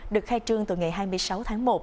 được khai trương từ ngày hai mươi sáu tháng một